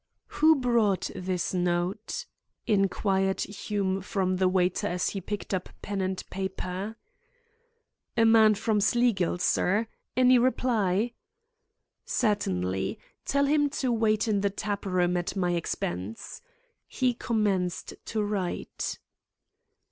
"Who brought this note?" inquired Hume from the waiter as he picked up pen and paper. "A man from Sleagill, sir. Any reply?" "Certainly. Tell him to wait in the tap room at my expense." He commenced to write.